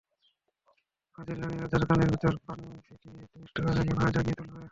তারপর ফাজিল রানি রাজার কানের ভেতর পানি ছিটিয়ে দুষ্ট রাজাকে জাগিয়ে তুলবে।